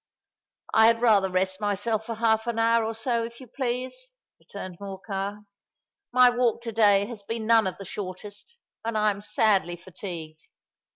"I had rather rest myself for half an hour, or so if you please," returned Morcar. "My walk to day has been none of the shortest; and I am sadly fatigued.